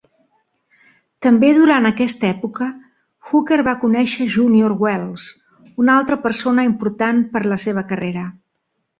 També durant aquesta època, Hooker va conèixer Junior Wells, una altra persona important per a la seva carrera.